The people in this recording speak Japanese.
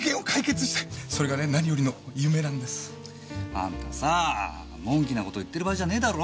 あんたさぁのんきな事言ってる場合じゃねぇだろ？